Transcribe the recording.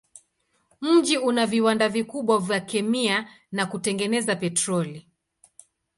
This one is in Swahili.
Mji una viwanda vikubwa vya kemia na kutengeneza petroli.